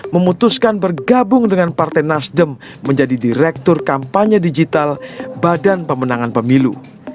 memutuskan bergabung dengan partai nasdem menjadi direktur kampanye digital badan pemenangan pemilu